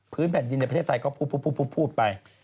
แผ่นดินในประเทศไทยก็พูดไป